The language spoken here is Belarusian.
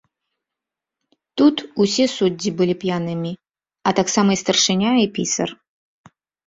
Тут усе суддзі былі п'янымі, а таксама і старшыня і пісар.